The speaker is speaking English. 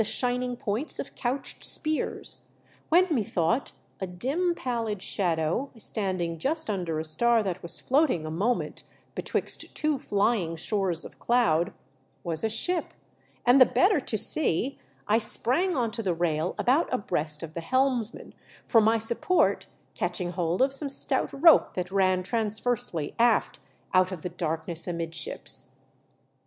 shining points of couched spears, when methought a dim pallid shadow, standing just under a star that was floating a moment betwixt two flying shores of cloud, was a ship ; and the better to see, I sprang on to the rail about abreast of the helmsman, for my support catching hold of some stout rope that ran transversely aft out of the darkness amidships.